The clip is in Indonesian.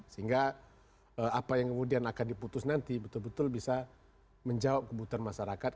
sehingga apa yang kemudian akan diputus nanti betul betul bisa menjawab kebutuhan masyarakat